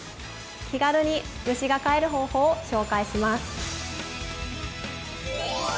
気軽に虫が飼える方法を紹介します。